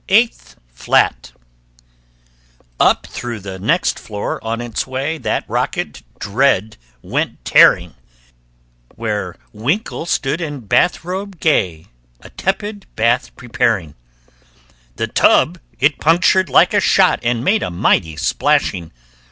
[Illustration: SEVENTH FLAT] EIGHTH FLAT Up through the next floor on its way That rocket, dread, went tearing Where Winkle stood in bath robe, gay, A tepid bath preparing. The tub it punctured like a shot And made a mighty splashing.